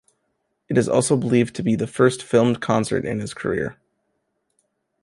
It is also believed to be the first filmed concert in his career.